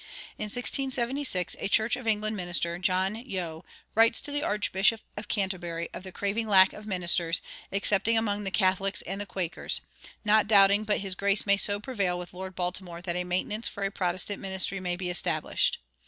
In 1676 a Church of England minister, John Yeo, writes to the Archbishop of Canterbury of the craving lack of ministers, excepting among the Catholics and the Quakers, "not doubting but his Grace may so prevail with Lord Baltimore that a maintenance for a Protestant ministry may be established."